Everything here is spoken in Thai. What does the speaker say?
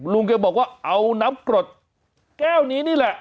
ลุงแกบอกว่าเอาน้ำกรดแก้วนี้นี่แหละ